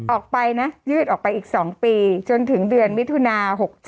ออกไปนะยืดออกไปอีก๒ปีจนถึงเดือนมิถุนา๖๗